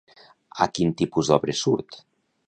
A quin tipus d'obres surt?